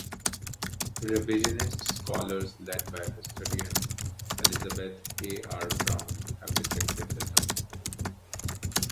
Revisionist scholars led by historian Elizabeth A. R. Brown have rejected the term.